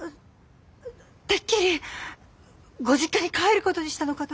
てっきりご実家に帰ることにしたのかと。